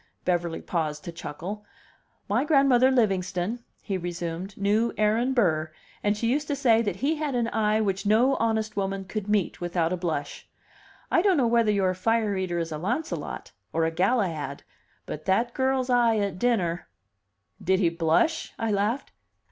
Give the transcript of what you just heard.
Beverly paused to chuckle. "My grandmother Livingston," he resumed, "knew Aaron Burr, and she used to say that he had an eye which no honest woman could meet without a blush. I don't know whether your fire eater is a Launcelot, or a Galahad, but that girl's eye at dinner " "Did he blush?" I laughed.